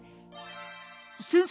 先生